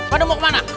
pada mau kemana